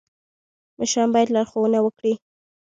مشران باید لارښوونه وکړي